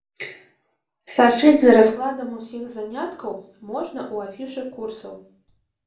Сачыць за раскладам усіх заняткаў можна ў афішы курсаў.